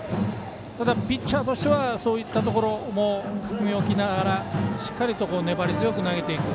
ただ、ピッチャーとしてはそういったところも考えながらしっかりと粘り強く投げていく。